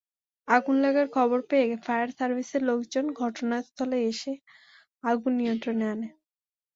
আগুন লাগার খবর পেয়ে ফায়ার সার্ভিসের লোকজন ঘটনাস্থলে এসে আগুন নিয়ন্ত্রণে আনে।